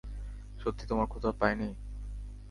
সত্যিই তোমার ক্ষুধা পায়নি?